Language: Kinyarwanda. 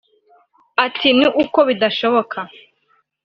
Ati “Ni uko bidashoboka